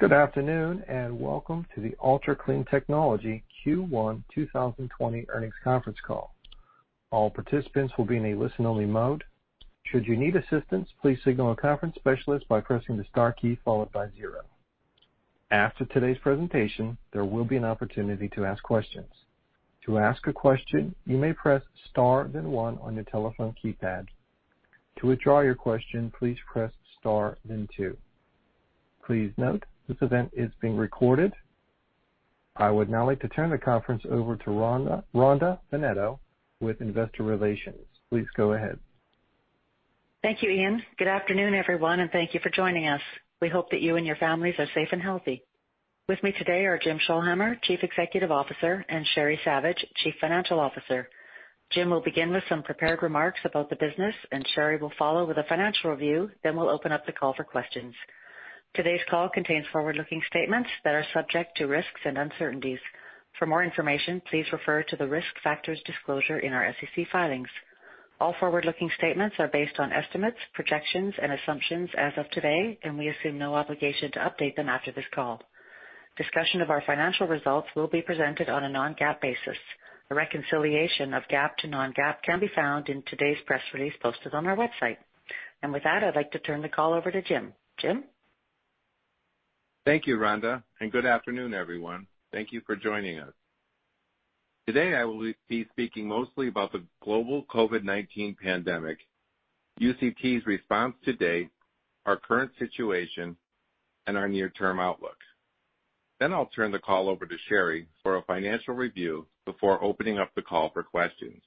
Good afternoon and welcome to the Ultra Clean Technology Q1 2020 earnings conference call. All participants will be in a listen-only mode. Should you need assistance, please signal a conference specialist by pressing the star key followed by zero. After today's presentation, there will be an opportunity to ask questions. To ask a question, you may press star then one on your telephone keypad. To withdraw your question, please press star then two. Please note this event is being recorded. I would now like to turn the conference over to Rhonda Bennetto with Investor Relations. Please go ahead. Thank you, Ian. Good afternoon, everyone, and thank you for joining us. We hope that you and your families are safe and healthy. With me today are Jim Scholhamer, Chief Executive Officer, and Sheri Savage, Chief Financial Officer. Jim will begin with some prepared remarks about the business, and Sheri will follow with a financial review, then we'll open up the call for questions. Today's call contains forward-looking statements that are subject to risks and uncertainties. For more information, please refer to the risk factors disclosure in our SEC filings. All forward-looking statements are based on estimates, projections, and assumptions as of today, and we assume no obligation to update them after this call. Discussion of our financial results will be presented on a non-GAAP basis. A reconciliation of GAAP to non-GAAP can be found in today's press release posted on our website. And with that, I'd like to turn the call over to Jim. Jim? Thank you, Rhonda, and good afternoon, everyone. Thank you for joining us. Today, I will be speaking mostly about the global COVID-19 pandemic, UCT's response today, our current situation, and our near-term outlook. Then I'll turn the call over to Sheri for a financial review before opening up the call for questions.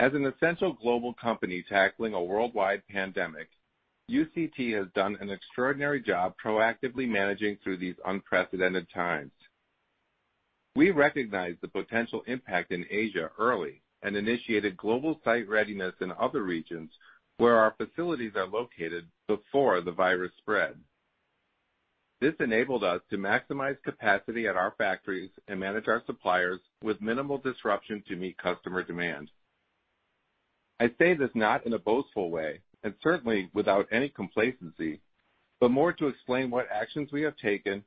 As an essential global company tackling a worldwide pandemic, UCT has done an extraordinary job proactively managing through these unprecedented times. We recognized the potential impact in Asia early and initiated global site readiness in other regions where our facilities are located before the virus spread. This enabled us to maximize capacity at our factories and manage our suppliers with minimal disruption to meet customer demand. I say this not in a boastful way and certainly without any complacency, but more to explain what actions we have taken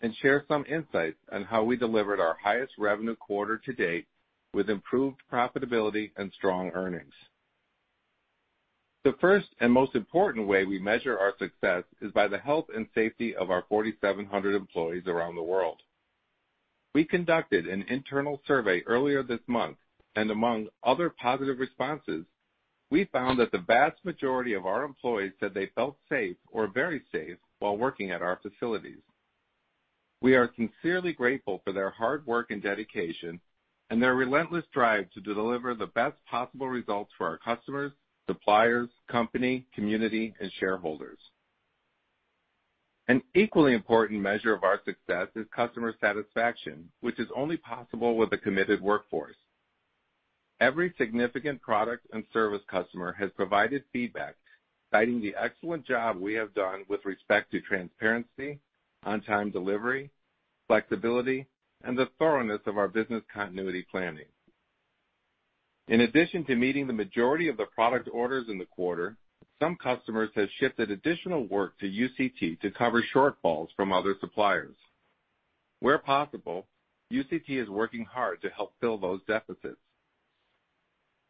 and share some insights on how we delivered our highest revenue quarter-to-date with improved profitability and strong earnings. The first and most important way we measure our success is by the health and safety of our 4,700 employees around the world. We conducted an internal survey earlier this month, and among other positive responses, we found that the vast majority of our employees said they felt safe or very safe while working at our facilities. We are sincerely grateful for their hard work and dedication and their relentless drive to deliver the best possible results for our customers, suppliers, company, community, and shareholders. An equally important measure of our success is customer satisfaction, which is only possible with a committed workforce. Every significant Product and Service customer has provided feedback, citing the excellent job we have done with respect to transparency, on-time delivery, flexibility, and the thoroughness of our business continuity planning. In addition to meeting the majority of the product orders in the quarter, some customers have shifted additional work to UCT to cover shortfalls from other suppliers. Where possible, UCT is working hard to help fill those deficits.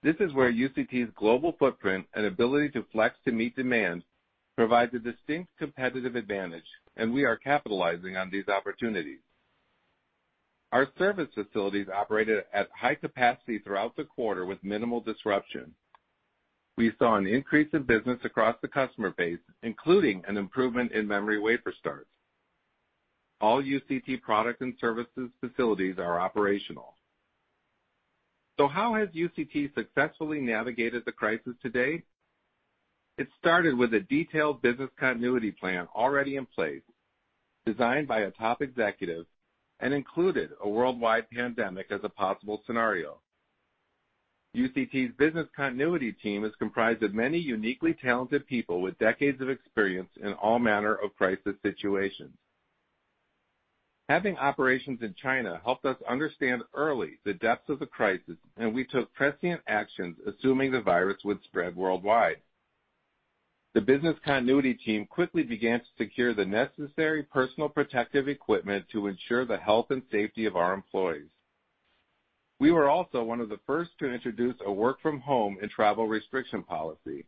This is where UCT's global footprint and ability to flex to meet demand provide a distinct competitive advantage, and we are capitalizing on these opportunities. Our service facilities operated at high capacity throughout the quarter with minimal disruption. We saw an increase in business across the customer base, including an improvement in memory wafer starts. All UCT product and services facilities are operational. So how has UCT successfully navigated the crisis today? It started with a detailed business continuity plan already in place, designed by a top executive, and included a worldwide pandemic as a possible scenario. UCT's business continuity team is comprised of many uniquely talented people with decades of experience in all manner of crisis situations. Having operations in China helped us understand early the depths of the crisis, and we took prescient actions, assuming the virus would spread worldwide. The business continuity team quickly began to secure the necessary personal protective equipment to ensure the health and safety of our employees. We were also one of the first to introduce a work-from-home and travel restriction policy.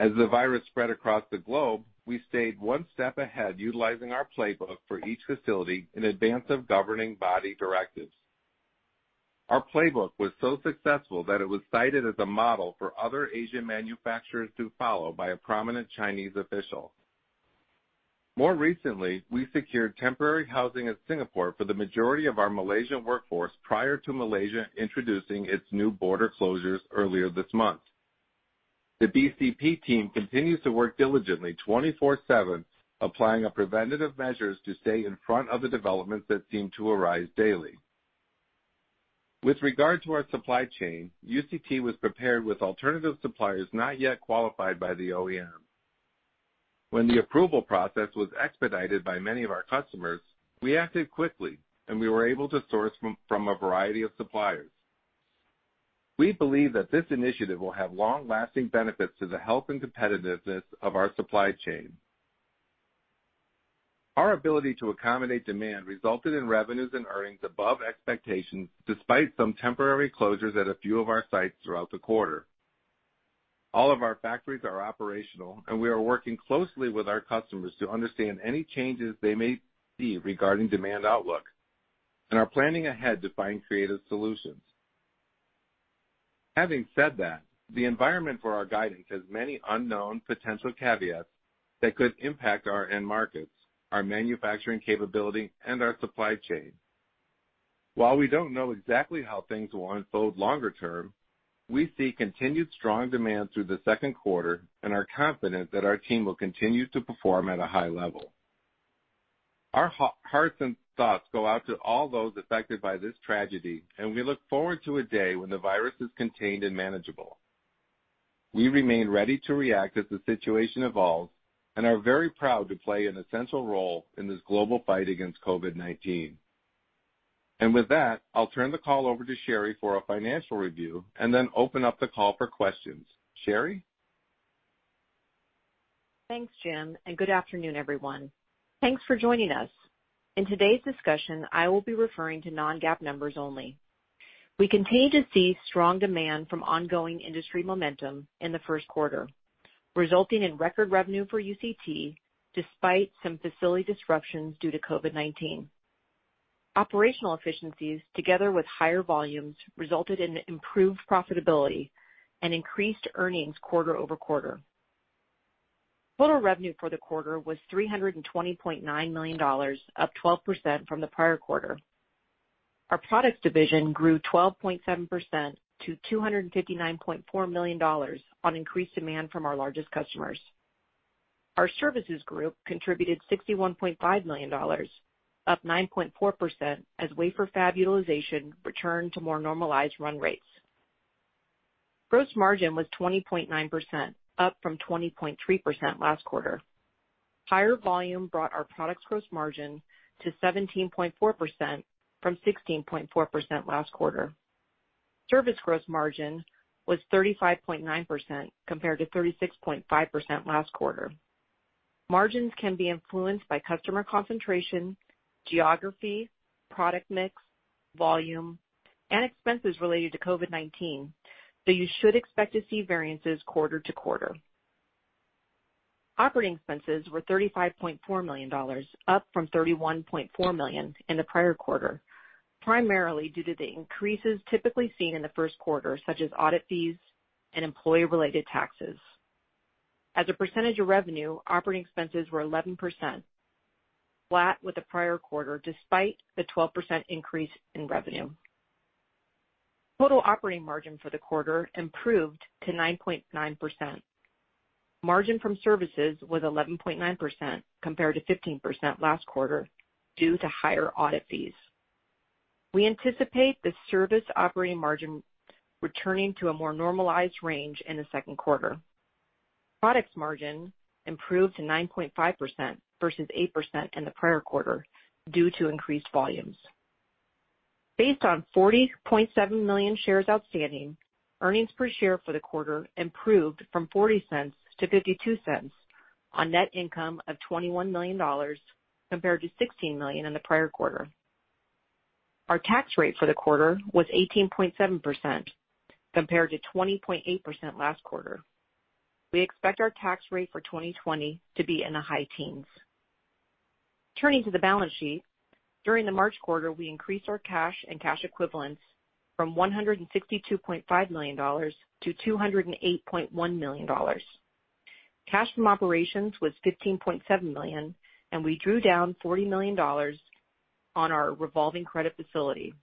As the virus spread across the globe, we stayed one step ahead, utilizing our playbook for each facility in advance of governing body directives. Our playbook was so successful that it was cited as a model for other Asian manufacturers to follow by a prominent Chinese official. More recently, we secured temporary housing in Singapore for the majority of our Malaysian workforce prior to Malaysia introducing its new border closures earlier this month. The BCP team continues to work diligently 24/7, applying preventative measures to stay in front of the developments that seem to arise daily. With regard to our supply chain, UCT was prepared with alternative suppliers not yet qualified by the OEM. When the approval process was expedited by many of our customers, we acted quickly, and we were able to source from a variety of suppliers. We believe that this initiative will have long-lasting benefits to the health and competitiveness of our supply chain. Our ability to accommodate demand resulted in revenues and earnings above expectations, despite some temporary closures at a few of our sites throughout the quarter. All of our factories are operational, and we are working closely with our customers to understand any changes they may see regarding demand outlook and are planning ahead to find creative solutions. Having said that, the environment for our guidance has many unknown potential caveats that could impact our end markets, our manufacturing capability, and our supply chain. While we don't know exactly how things will unfold longer term, we see continued strong demand through the second quarter and are confident that our team will continue to perform at a high level. Our hearts and thoughts go out to all those affected by this tragedy, and we look forward to a day when the virus is contained and manageable. We remain ready to react as the situation evolves and are very proud to play an essential role in this global fight against COVID-19. And with that, I'll turn the call over to Sheri for a financial review and then open up the call for questions. Sheri? Thanks, Jim, and good afternoon, everyone. Thanks for joining us. In today's discussion, I will be referring to non-GAAP numbers only. We continue to see strong demand from ongoing industry momentum in the first quarter, resulting in record revenue for UCT despite some facility disruptions due to COVID-19. Operational efficiencies, together with higher volumes, resulted in improved profitability and increased earnings quarter-over-quarter. Total revenue for the quarter was $320.9 million, up 12% from the prior quarter. Our Products division grew 12.7% to $259.4 million on increased demand from our largest customers. Our Services group contributed $61.5 million, up 9.4%, as wafer fab utilization returned to more normalized run rates. Gross margin was 20.9%, up from 20.3% last quarter. Higher volume brought our Products gross margin to 17.4% from 16.4% last quarter. Services gross margin was 35.9% compared to 36.5% last quarter. Margins can be influenced by customer concentration, geography, product mix, volume, and expenses related to COVID-19, so you should expect to see variances quarter to quarter. Operating expenses were $35.4 million, up from $31.4 million in the prior quarter, primarily due to the increases typically seen in the first quarter, such as audit fees and employee-related taxes. As a percentage of revenue, operating expenses were 11%, flat with the prior quarter despite the 12% increase in revenue. Total operating margin for the quarter improved to 9.9%. Margin from Services was 11.9% compared to 15% last quarter due to higher audit fees. We anticipate the Services operating margin returning to a more normalized range in the second quarter. Products margin improved to 9.5% versus 8% in the prior quarter due to increased volumes. Based on 40.7 million shares outstanding, earnings per share for the quarter improved from $0.40 to $0.52 on net income of $21 million compared to $16 million in the prior quarter. Our tax rate for the quarter was 18.7% compared to 20.8% last quarter. We expect our tax rate for 2020 to be in the high teens. Turning to the balance sheet, during the March quarter, we increased our cash and cash equivalents from $162.5 million to $208.1 million. Cash from operations was $15.7 million, and we drew down $40 million on our revolving credit facility.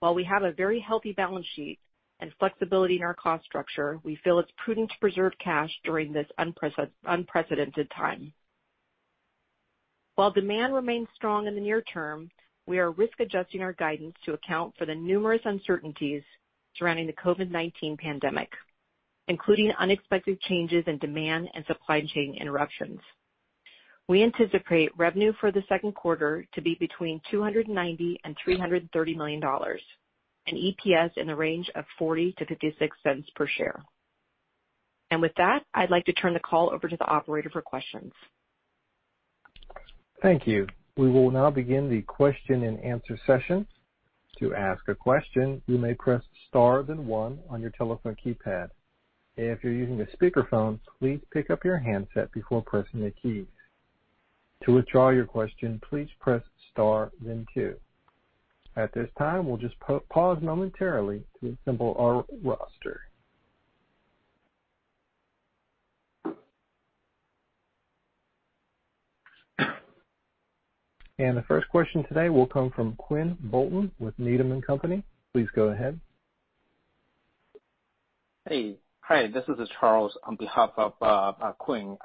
While we have a very healthy balance sheet and flexibility in our cost structure, we feel it's prudent to preserve cash during this unprecedented time. While demand remains strong in the near term, we are risk-adjusting our guidance to account for the numerous uncertainties surrounding the COVID-19 pandemic, including unexpected changes in demand and supply chain interruptions. We anticipate revenue for the second quarter to be between $290 and $330 million. An EPS in the range of $0.40 to $0.56 per share. With that, I'd like to turn the call over to the operator for questions. Thank you. We will now begin the question and answer session. To ask a question, you may press star then one on your telephone keypad. If you're using a speakerphone, please pick up your handset before pressing the keys. To withdraw your question, please press star then two. At this time, we'll just pause momentarily to assemble our roster. The first question today will come from Quinn Bolton with Needham & Company. Please go ahead. Hey. Hi, this is Charles on behalf of Quinn.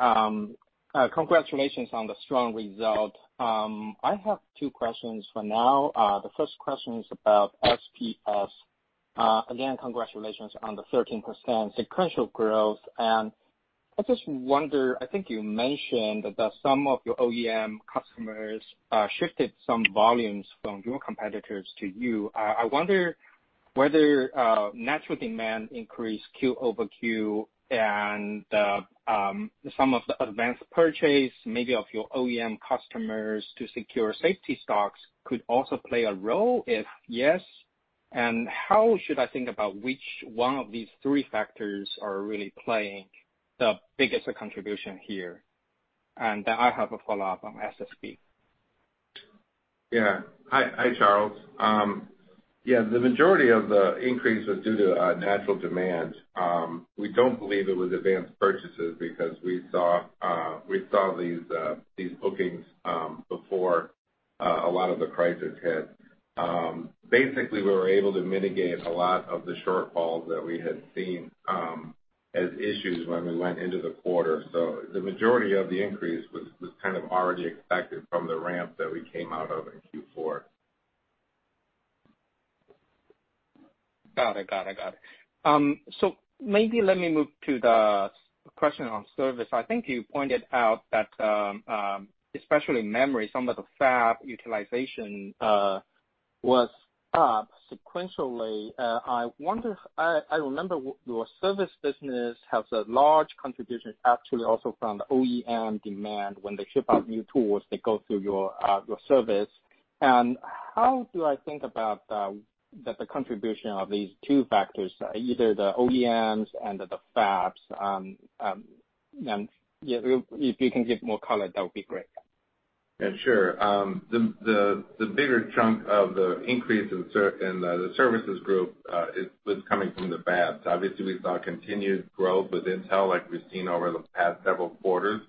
Congratulations on the strong result. I have two questions for now. The first question is about SPS. Again, congratulations on the 13% sequential growth. And I just wonder, I think you mentioned that some of your OEM customers shifted some volumes from your competitors to you. I wonder whether natural demand increase quarter-over-quarter and some of the advanced purchase maybe of your OEM customers to secure safety stocks could also play a role. If yes, and how should I think about which one of these three factors are really playing the biggest contribution here? And then I have a follow-up on SSP. Yeah. Hi, Charles. Yeah, the majority of the increase was due to natural demand. We don't believe it was advanced purchases because we saw these bookings before a lot of the crisis hit. Basically, we were able to mitigate a lot of the shortfalls that we had seen as issues when we went into the quarter. So the majority of the increase was kind of already expected from the ramp that we came out of in Q4. Got it. Got it. Got it. So maybe let me move to the question on Service. I think you pointed out that especially memory, some of the fab utilization was up sequentially. I remember your Services business has a large contribution actually also from the OEM demand when they ship out new tools that go through your Service. And how do I think about the contribution of these two factors, either the OEMs and the fabs? And if you can give more color, that would be great. Yeah, sure. The bigger chunk of the increase in the Services group was coming from the fabs. Obviously, we saw continued growth with Intel like we've seen over the past several quarters.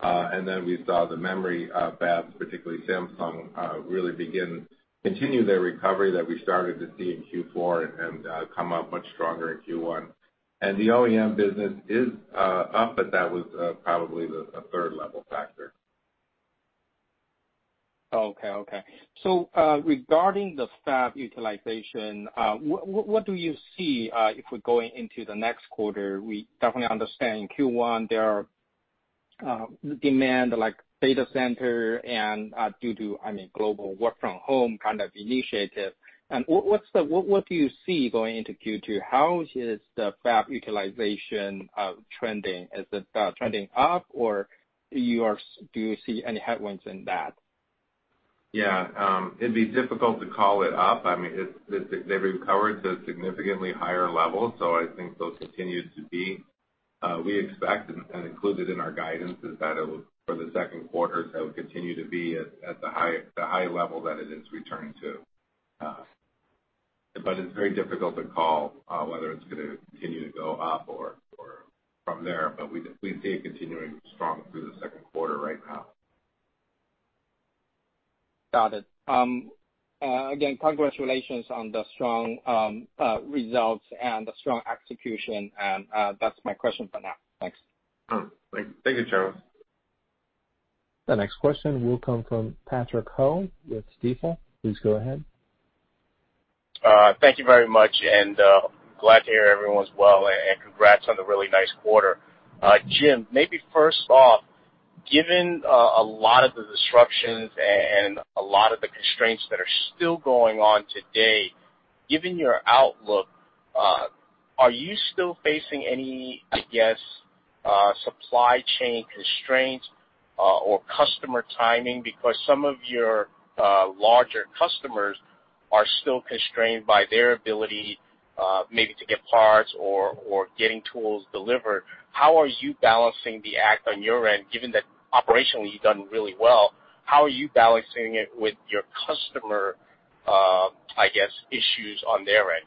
And then we saw the memory fabs, particularly Samsung, really continue their recovery that we started to see in Q4 and come up much stronger in Q1. And the OEM business is up, but that was probably the third-level factor. Okay. Okay. So regarding the fab utilization, what do you see if we're going into the next quarter? We definitely understand in Q1 there are demand like data center and due to, I mean, global work-from-home kind of initiative. And what do you see going into Q2? How is the fab utilization trending? Is it trending up, or do you see any headwinds in that? Yeah. It'd be difficult to call it up. I mean, they've recovered to significantly higher levels, so I think they'll continue to be. We expect and included in our guidance is that for the second quarter, they'll continue to be at the high level that it is returning to. But it's very difficult to call whether it's going to continue to go up or from there, but we see it continuing strong through the second quarter right now. Got it. Again, congratulations on the strong results and the strong execution. And that's my question for now. Thanks. Thank you, Charles. The next question will come from Patrick Ho with Stifel. Please go ahead. Thank you very much, and glad to hear everyone's well and congrats on the really nice quarter. Jim, maybe first off, given a lot of the disruptions and a lot of the constraints that are still going on today, given your outlook, are you still facing any, I guess, supply chain constraints or customer timing? Because some of your larger customers are still constrained by their ability maybe to get parts or getting tools delivered. How are you balancing the act on your end, given that operationally you've done really well? How are you balancing it with your customer, I guess, issues on their end?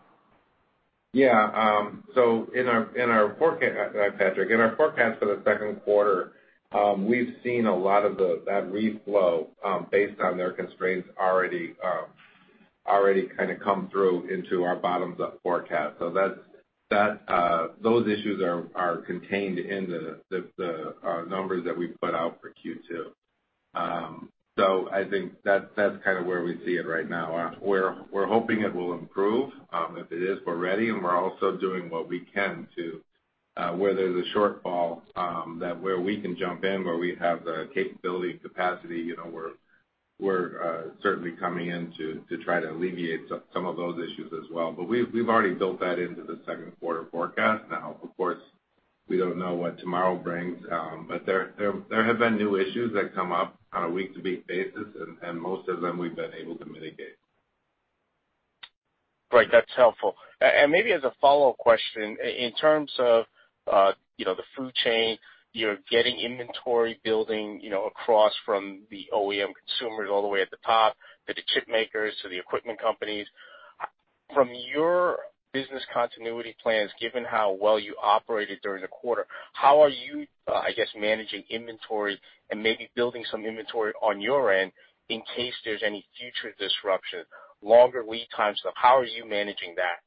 Yeah. So in our forecast, Patrick, in our forecast for the second quarter, we've seen a lot of that reflow based on their constraints already kind of come through into our bottoms-up forecast. So those issues are contained in the numbers that we put out for Q2. So I think that's kind of where we see it right now. We're hoping it will improve if it is already, and we're also doing what we can to where there's a shortfall where we can jump in, where we have the capability and capacity. We're certainly coming in to try to alleviate some of those issues as well. But we've already built that into the second quarter forecast. Now, of course, we don't know what tomorrow brings, but there have been new issues that come up on a week-to-week basis, and most of them we've been able to mitigate. Right. That's helpful. And maybe as a follow-up question, in terms of the food chain, you're getting inventory building across from the OEM consumers all the way at the top to the chip makers to the equipment companies. From your business continuity plans, given how well you operated during the quarter, how are you, I guess, managing inventory and maybe building some inventory on your end in case there's any future disruptions, longer lead times? How are you managing that?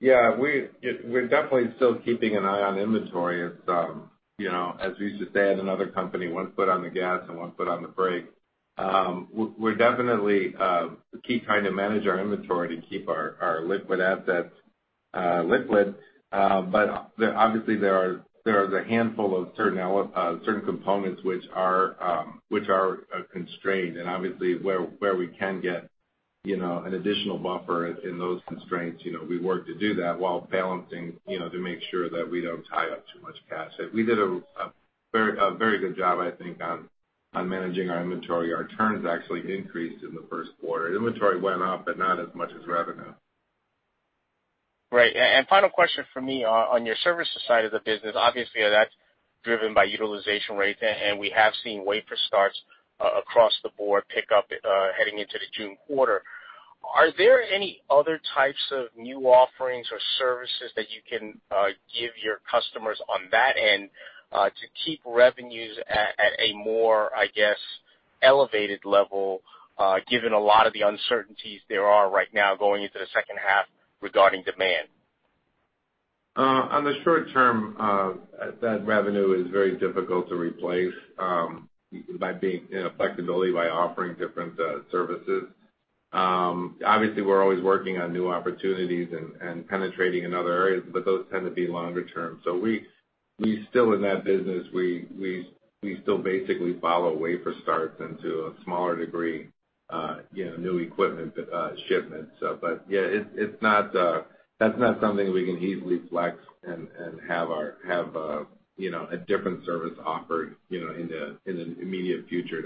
Yeah. We're definitely still keeping an eye on inventory. As we used to say at another company, one foot on the gas and one foot on the brake. We're definitely trying to manage our inventory to keep our liquid assets liquid. But obviously, there are a handful of certain components which are constrained. And obviously, where we can get an additional buffer in those constraints, we work to do that while balancing to make sure that we don't tie up too much cash. We did a very good job, I think, on managing our inventory. Our turns actually increased in the first quarter. Inventory went up, but not as much as revenue. Right. And final question for me on your Services side of the business. Obviously, that's driven by utilization rates, and we have seen wafer starts across the board pick up heading into the June quarter. Are there any other types of new offerings or services that you can give your customers on that end to keep revenues at a more, I guess, elevated level, given a lot of the uncertainties there are right now going into the second half regarding demand? In the short term, that revenue is very difficult to replace, but having flexibility by offering different services. Obviously, we're always working on new opportunities and penetrating other areas, but those tend to be longer term. We're still in that business. We still basically follow wafer starts and, to a smaller degree, new equipment shipments. But yeah, that's not something we can easily flex and have a different service offered in the immediate future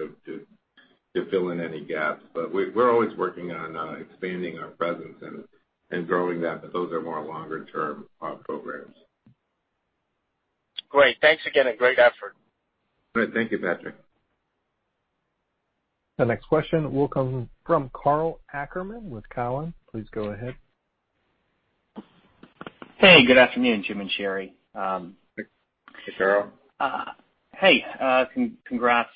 to fill in any gaps. But we're always working on expanding our presence and growing that, but those are longer-term programs. Great. Thanks again and great effort. All right. Thank you, Patrick. The next question will come from Karl Ackerman with Cowen. Please go ahead. Hey, good afternoon, Jim and Sheri. Hey, Karl. Hey. Congrats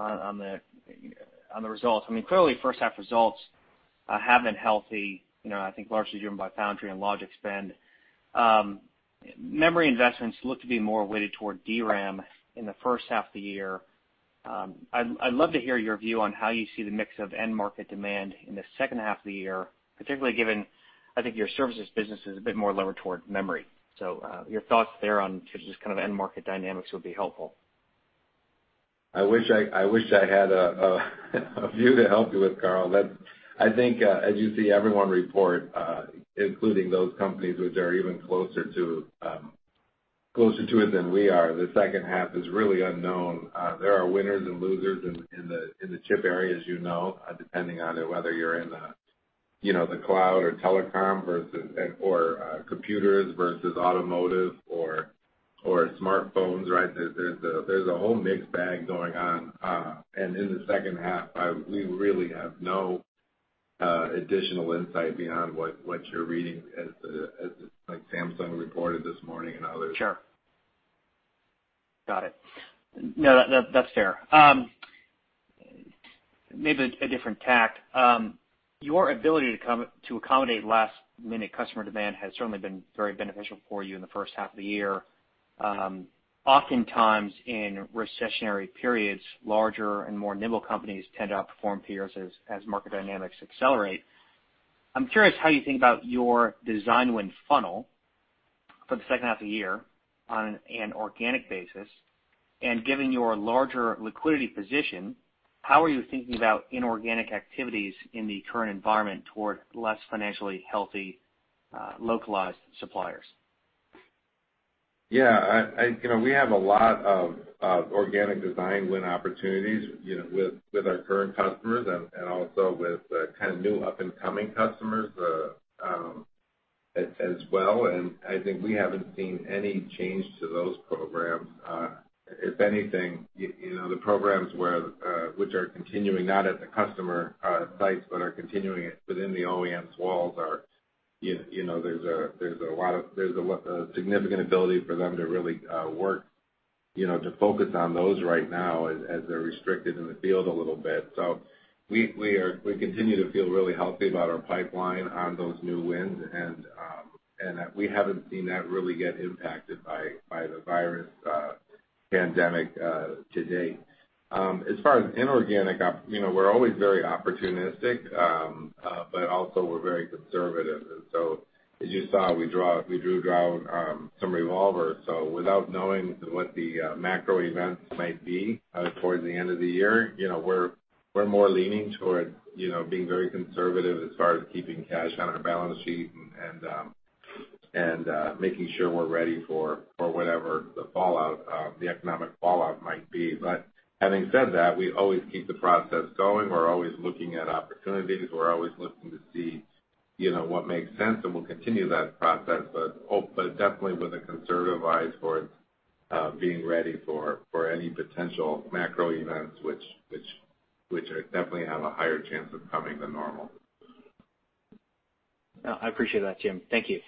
on the results. I mean, clearly, first-half results have been healthy, I think largely driven by foundry and logic spend. Memory investments look to be more weighted toward DRAM in the first half of the year. I'd love to hear your view on how you see the mix of end-market demand in the second half of the year, particularly given I think your services business is a bit more levered toward memory. So your thoughts there on just kind of end-market dynamics would be helpful. I wish I had a view to help you with, Karl. I think, as you see everyone report, including those companies which are even closer to it than we are, the second half is really unknown. There are winners and losers in the chip area, as you know, depending on whether you're in the cloud or telecom versus computers versus automotive or smartphones, right? There's a whole mixed bag going on. And in the second half, we really have no additional insight beyond what you're reading, as Samsung reported this morning and others. Sure. Got it. No, that's fair. Maybe a different tack. Your ability to accommodate last-minute customer demand has certainly been very beneficial for you in the first half of the year. Oftentimes, in recessionary periods, larger and more nimble companies tend to outperform peers as market dynamics accelerate. I'm curious how you think about your design win funnel for the second half of the year on an organic basis. And given your larger liquidity position, how are you thinking about inorganic activities in the current environment toward less financially healthy localized suppliers? Yeah. We have a lot of organic design win opportunities with our current customers and also with kind of new up-and-coming customers as well. And I think we haven't seen any change to those programs. If anything, the programs which are continuing, not at the customer sites, but are continuing within the OEM's walls, there's a significant ability for them to really work to focus on those right now as they're restricted in the field a little bit. So we continue to feel really healthy about our pipeline on those new wins. And we haven't seen that really get impacted by the virus pandemic to date. As far as inorganic, we're always very opportunistic, but also we're very conservative. And so as you saw, we drew down some revolvers. So without knowing what the macro events might be towards the end of the year, we're more leaning toward being very conservative as far as keeping cash on our balance sheet and making sure we're ready for whatever the economic fallout might be. But having said that, we always keep the process going. We're always looking at opportunities. We're always looking to see what makes sense, and we'll continue that process, but definitely with a conservative eye towards being ready for any potential macro events which definitely have a higher chance of coming than normal. I appreciate that, Jim. Thank you.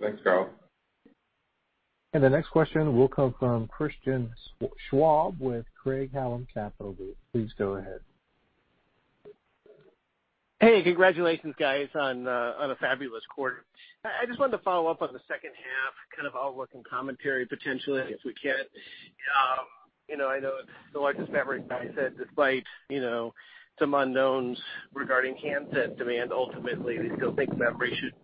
Thanks, Karl. The next question will come from Christian Schwab with Craig-Hallum Capital Group. Please go ahead. Hey, congratulations, guys, on a fabulous quarter. I just wanted to follow up on the second half, kind of outlook and commentary potentially, if we can. I know the largest fab, as I said, despite some unknowns regarding handset demand, ultimately, we still think memory should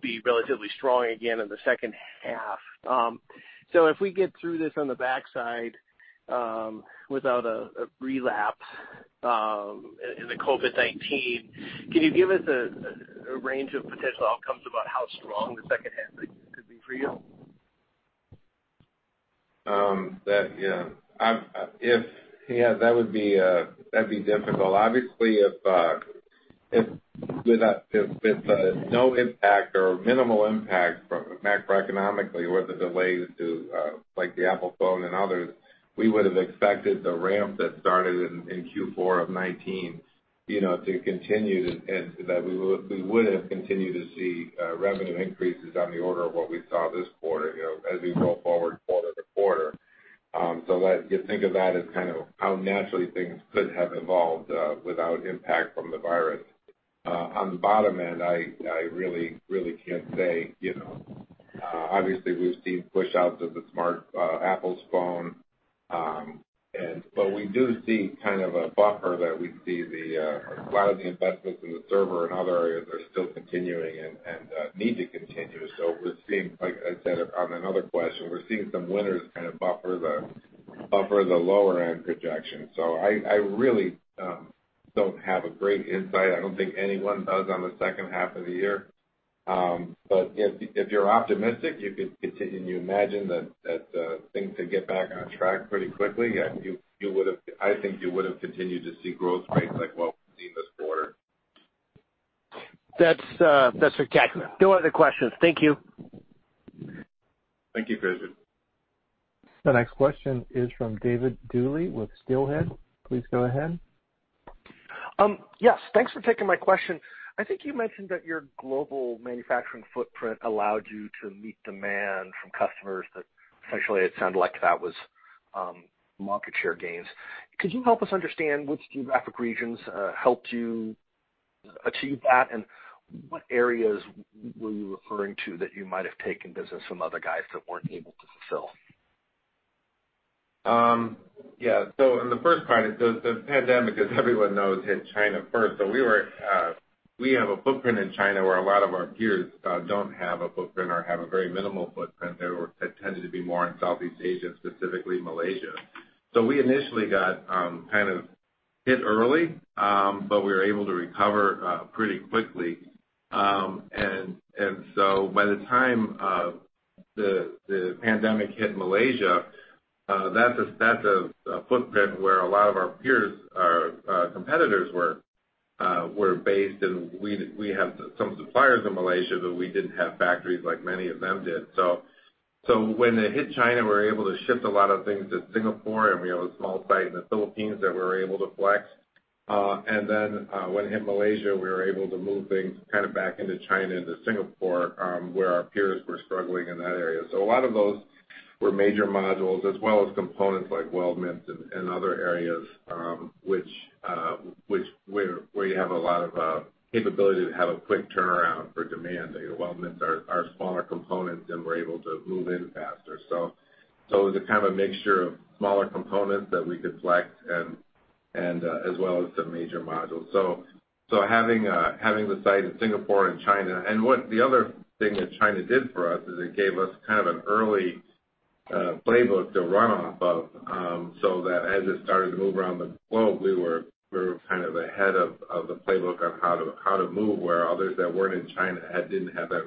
be relatively strong again in the second half. So if we get through this on the backside without a relapse in the COVID-19, can you give us a range of potential outcomes about how strong the second half could be for you? Yeah. Yeah. That would be difficult. Obviously, with no impact or minimal impact macroeconomically with the delays to the Apple phone and others, we would have expected the ramp that started in Q4 of 2019 to continue that we would have continued to see revenue increases on the order of what we saw this quarter as we roll forward quarter to quarter. So you think of that as kind of how naturally things could have evolved without impact from the virus. On the bottom end, I really can't say. Obviously, we've seen push-outs of Apple's phone, but we do see kind of a buffer that we see a lot of the investments in the server and other areas are still continuing and need to continue. So we're seeing, like I said, on another question, we're seeing some winners kind of buffer the lower-end projection. So I really don't have a great insight. I don't think anyone does on the second half of the year. But if you're optimistic, you can continue to imagine that things could get back on track pretty quickly. I think you would have continued to see growth rates like what we've seen this quarter. That's spectacular. No other questions. Thank you. Thank you, Chris. The next question is from David Duley with Steelhead. Please go ahead. Yes. Thanks for taking my question. I think you mentioned that your global manufacturing footprint allowed you to meet demand from customers that, essentially, it sounded like that was market share gains. Could you help us understand which geographic regions helped you achieve that and what areas were you referring to that you might have taken business from other guys that weren't able to fulfill? Yeah. So in the first part, the pandemic, as everyone knows, hit China first. So we have a footprint in China where a lot of our peers don't have a footprint or have a very minimal footprint. They tended to be more in Southeast Asia, specifically Malaysia. So we initially got kind of hit early, but we were able to recover pretty quickly. And so by the time the pandemic hit Malaysia, that's a footprint where a lot of our peers, our competitors were based. And we have some suppliers in Malaysia, but we didn't have factories like many of them did. So when it hit China, we were able to shift a lot of things to Singapore, and we have a small site in the Philippines that we were able to flex. Then when it hit Malaysia, we were able to move things kind of back into China into Singapore where our peers were struggling in that area. A lot of those were major modules as well as components like weldments and other areas where you have a lot of capability to have a quick turnaround for demand. Weldments are smaller components, and we're able to move in faster. It was a kind of a mixture of smaller components that we could flex as well as some major modules. So, having the site in Singapore and China, and the other thing that China did for us is, it gave us kind of an early playbook to run off of so that as it started to move around the globe, we were kind of ahead of the playbook on how to move where others that weren't in China didn't have that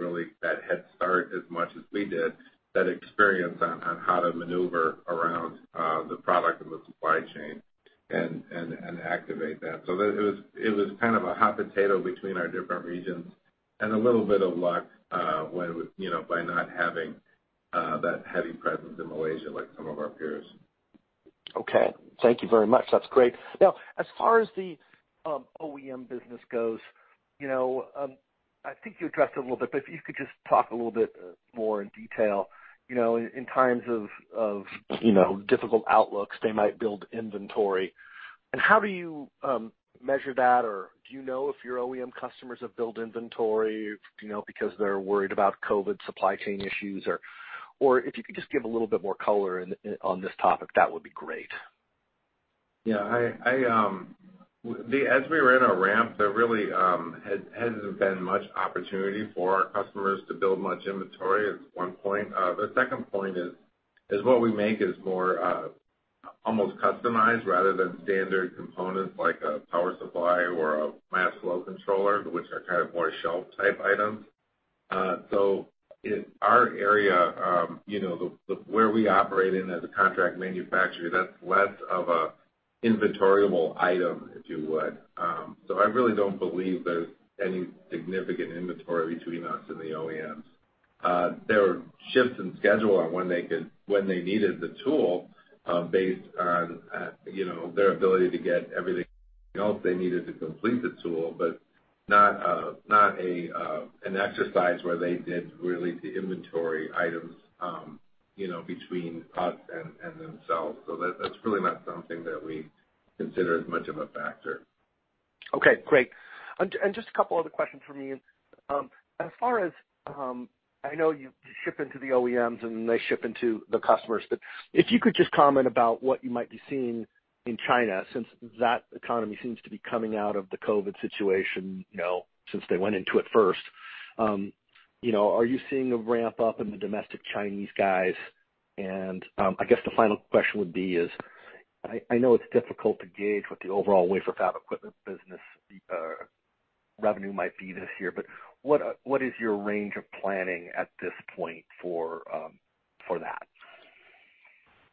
head start as much as we did, that experience on how to maneuver around the product and the supply chain and activate that, so it was kind of a hot potato between our different regions and a little bit of luck by not having that heavy presence in Malaysia like some of our peers. Okay. Thank you very much. That's great. Now, as far as the OEM business goes, I think you addressed it a little bit, but if you could just talk a little bit more in detail. In times of difficult outlooks, they might build inventory. And how do you measure that? Or do you know if your OEM customers have built inventory because they're worried about COVID supply chain issues? Or if you could just give a little bit more color on this topic, that would be great. Yeah. As we were in a ramp, there really hasn't been much opportunity for our customers to build much inventory at one point. The second point is what we make is more almost customized rather than standard components like a power supply or a mass flow controller, which are kind of more shelf-type items. So our area, where we operate in as a contract manufacturer, that's less of an inventoriable item, if you would. So I really don't believe there's any significant inventory between us and the OEMs. There were shifts in schedule on when they needed the tool based on their ability to get everything else they needed to complete the tool, but not an exercise where they did really the inventory items between us and themselves. So that's really not something that we consider as much of a factor. Okay. Great, and just a couple other questions from me. As far as I know, you ship into the OEMs, and then they ship into the customers, but if you could just comment about what you might be seeing in China since that economy seems to be coming out of the COVID situation since they went into it first. Are you seeing a ramp up in the domestic Chinese guys? And, I guess, the final question would be is I know it's difficult to gauge what the overall wafer fab equipment business revenue might be this year, but what is your range of planning at this point for that?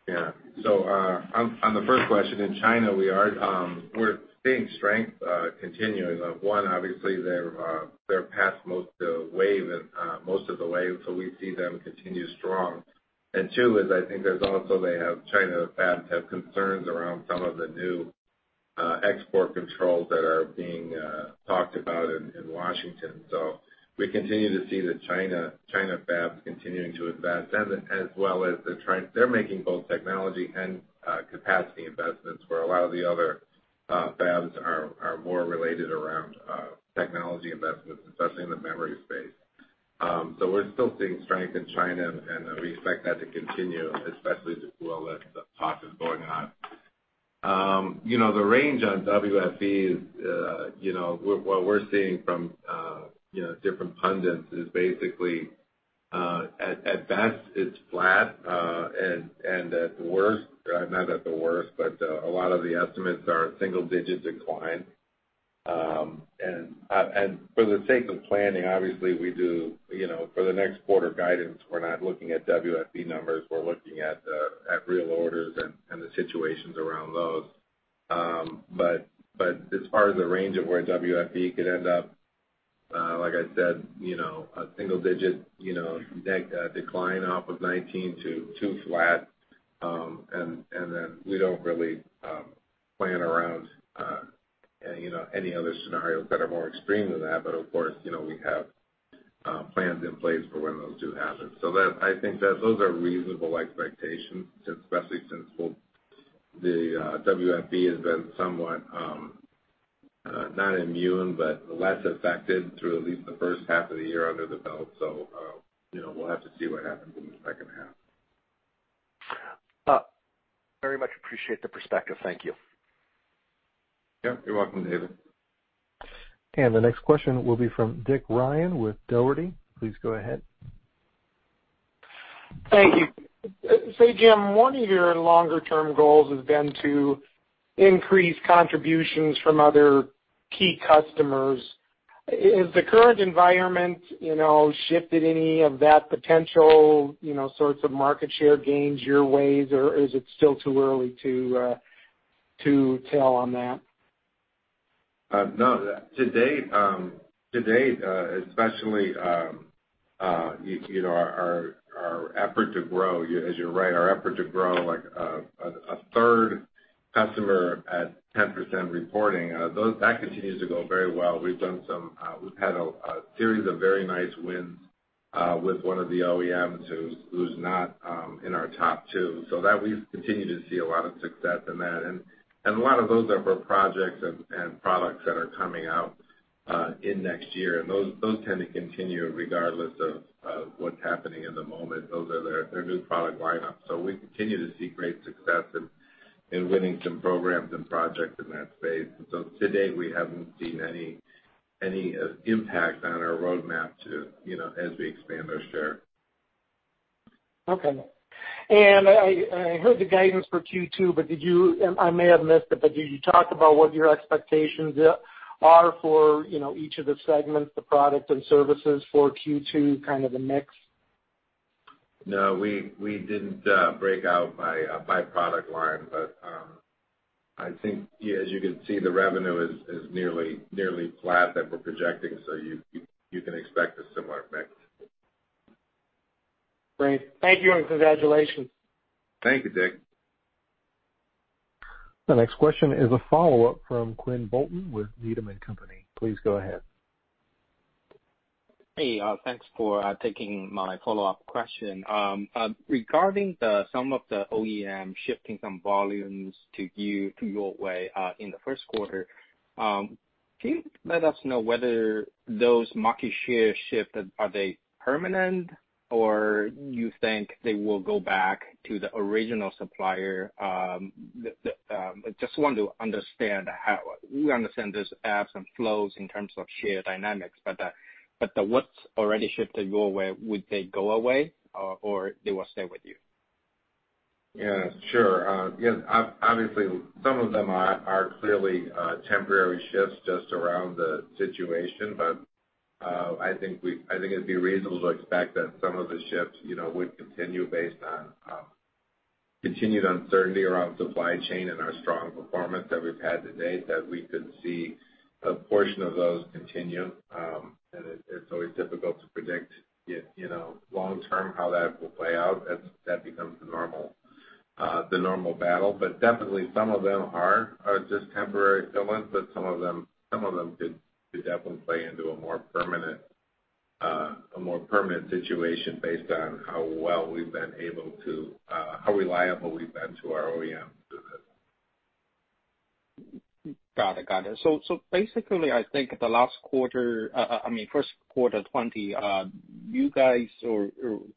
Yeah. So on the first question, in China, we're seeing strength continuing. One, obviously, they're past most of the wave, so we see them continue strong. And two, I think there's also they have China fabs have concerns around some of the new export controls that are being talked about in Washington. So we continue to see the China fabs continuing to invest, as well as they're making both technology and capacity investments where a lot of the other fabs are more related around technology investments, especially in the memory space. So we're still seeing strength in China, and we expect that to continue, especially as well as the talk is going on. The range on WFE, what we're seeing from different pundits is basically at best, it's flat. And at worst, not at the worst, but a lot of the estimates are single-digit decline. For the sake of planning, obviously, we do for the next quarter guidance, we're not looking at WFE numbers. We're looking at real orders and the situations around those. As far as the range of where WFE could end up, like I said, a single-digit decline off of 2019 to flat. We don't really plan around any other scenarios that are more extreme than that. Of course, we have plans in place for when those do happen. I think that those are reasonable expectations, especially since the WFE has been somewhat not immune, but less affected through at least the first half of the year under the belt. We'll have to see what happens in the second half. Very much appreciate the perspective. Thank you. Yep. You're welcome, David. The next question will be from Dick Ryan with Dougherty. Please go ahead. Thank you. Say, Jim, one of your longer-term goals has been to increase contributions from other key customers. Has the current environment shifted any of that potential sorts of market share gains your ways, or is it still too early to tell on that? No. Today, especially our effort to grow, as you're right, our effort to grow a third customer at 10% reporting, that continues to go very well. We've had a series of very nice wins with one of the OEMs who's not in our top two. So we continue to see a lot of success in that. A lot of those are for projects and products that are coming out in next year. Those tend to continue regardless of what's happening in the moment. Those are their new product lineup. We continue to see great success in winning some programs and projects in that space. To date, we haven't seen any impact on our roadmap as we expand our share. Okay. And I heard the guidance for Q2, but I may have missed it, but did you talk about what your expectations are for each of the segments, the Product and Services for Q2, kind of a mix? No. We didn't break out by Product line, but I think, as you can see, the revenue is nearly flat, that we're projecting. So you can expect a similar mix. Great. Thank you and congratulations. Thank you, Dick. The next question is a follow-up from Quinn Bolton with Needham & Company. Please go ahead. Hey. Thanks for taking my follow-up question. Regarding some of the OEM shifting some volumes to your way in the first quarter, can you let us know whether those market share shifts are they permanent, or do you think they will go back to the original supplier? I just want to understand how we understand there's ups and downs in terms of share dynamics, but what's already shifted your way, would they go away, or they will stay with you? Yeah. Sure. Yeah. Obviously, some of them are clearly temporary shifts just around the situation, but I think it'd be reasonable to expect that some of the shifts would continue based on continued uncertainty around supply chain and our strong performance that we've had to date, that we could see a portion of those continue. And it's always difficult to predict long-term how that will play out. That becomes the normal battle. But definitely, some of them are just temporary fill-ins, but some of them could definitely play into a more permanent situation based on how well we've been able to how reliable we've been to our OEMs through this. Got it. Got it. So basically, I think the last quarter, I mean, first quarter 2020, you guys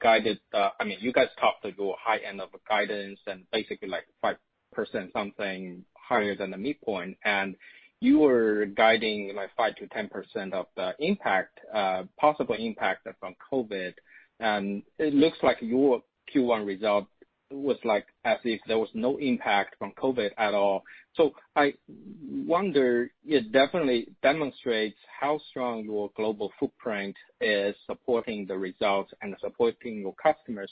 guided. I mean, you guys talked to your high end of guidance and basically like 5% something higher than the midpoint. And you were guiding 5% to 10% of the impact, possible impact from COVID. And it looks like your Q1 result was as if there was no impact from COVID at all. So, I wonder, it definitely demonstrates how strong your global footprint is supporting the results and supporting your customers.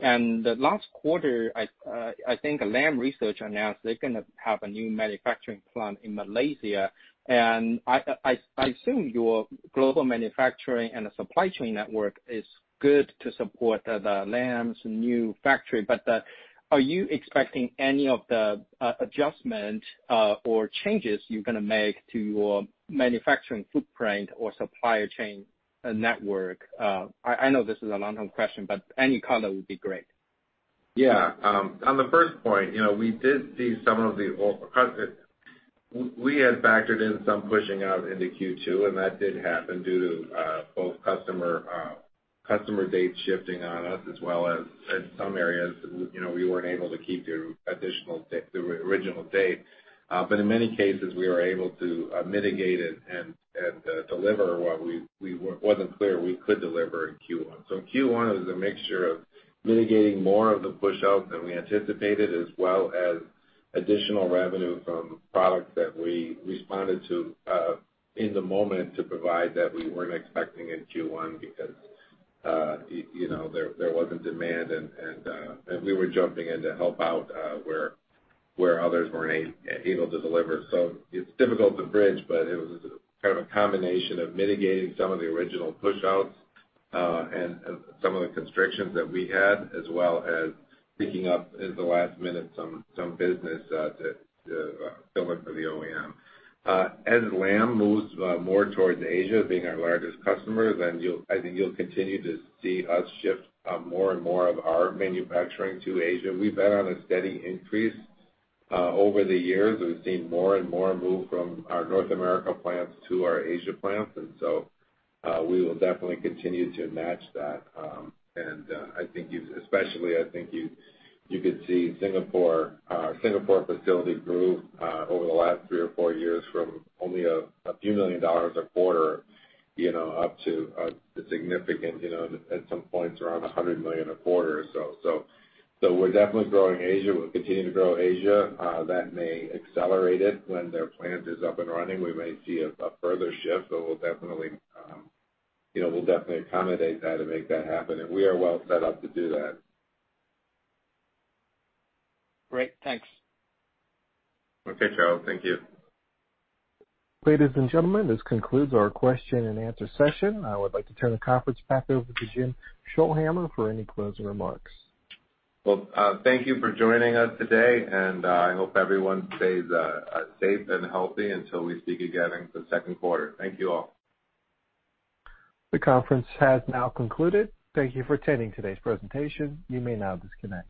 And the last quarter, I think Lam Research announced they're going to have a new manufacturing plant in Malaysia. And I assume your global manufacturing and the supply chain network is good to support the Lam's new factory. But are you expecting any of the adjustments or changes you're going to make to your manufacturing footprint or supply chain network? I know this is a long-term question, but any color would be great. Yeah. On the first point, we did see some of what we had factored in some pushing out into Q2, and that did happen due to both customer dates shifting on us as well as in some areas, we weren't able to keep the original date. But in many cases, we were able to mitigate it and deliver what wasn't clear we could deliver in Q1, so Q1 was a mixture of mitigating more of the push-out than we anticipated, as well as additional revenue from products that we responded to in the moment to provide that we weren't expecting in Q1 because there wasn't demand, and we were jumping in to help out where others weren't able to deliver. So it's difficult to bridge, but it was kind of a combination of mitigating some of the original push-outs and some of the constrictions that we had, as well as picking up in the last minute some business to fill in for the OEM. As Lam moves more towards Asia, being our largest customer, then I think you'll continue to see us shift more and more of our manufacturing to Asia. We've been on a steady increase over the years. We've seen more and more move from our North America plants to our Asia plants. And so we will definitely continue to match that. And I think especially, I think you could see Singapore facility grew over the last three or four years from only a few million dollars a quarter up to a significant at some points around $100 million a quarter or so. So we're definitely growing Asia. We'll continue to grow Asia. That may accelerate it when their plant is up and running. We may see a further shift, but we'll definitely accommodate that and make that happen, and we are well set up to do that. Great. Thanks. Okay, Charles. Thank you. Ladies and gentlemen, this concludes our question and answer session. I would like to turn the conference back over to Jim Scholhamer for any closing remarks. Thank you for joining us today. I hope everyone stays safe and healthy until we speak again in the second quarter. Thank you all. The conference has now concluded. Thank you for attending today's presentation. You may now disconnect.